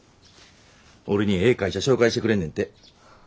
俺にええ会社紹介してくれんねんて。